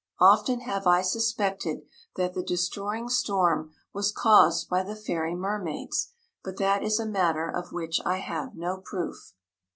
Often have I suspected that the destroying storm was caused by the fairy mermaids, but that is a matter of which I have no proof."